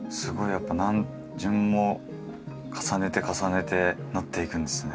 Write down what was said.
やっぱ何巡も重ねて重ねて塗っていくんですね。